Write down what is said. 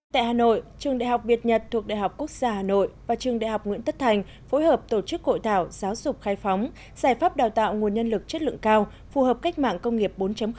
tại hà nội trường đại học việt nhật thuộc đại học quốc gia hà nội và trường đại học nguyễn tất thành phối hợp tổ chức hội thảo giáo dục khai phóng giải pháp đào tạo nguồn nhân lực chất lượng cao phù hợp cách mạng công nghiệp bốn